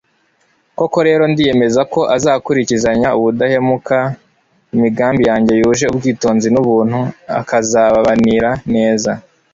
koko rero, ndiyemeza ko azakurikizanya ubudahemuka imigambi yanjye yuje ubwitonzi n'ubuntu, akazababanira neza